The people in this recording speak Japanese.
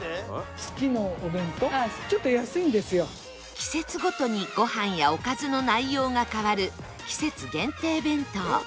季節ごとにご飯やおかずの内容が変わる季節限定弁当